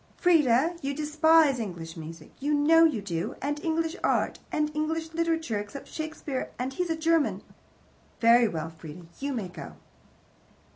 "Frieda, you despise English music. You know you do. And English art. And English Literature, except Shakespeare and he's a German. Very well, Frieda, you may go."